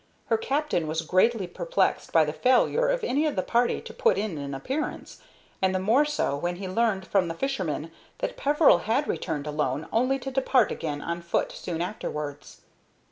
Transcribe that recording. Her captain was greatly perplexed by the failure of any of the party to put in an appearance, and the more so when he learned from the fishermen that Peveril had returned alone only to depart again on foot soon afterwards.